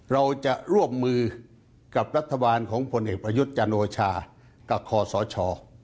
เราจะร่วมมือกับรัฐบาลของผลเอกประยุทธ์จันโอชากับคอสช